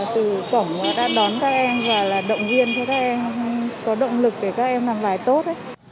từ cổng đón các em và động viên cho các em có động lực để các em làm lại tốt